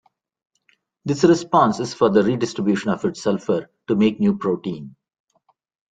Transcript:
This response is for the redistribution of its sulfur to make new protein.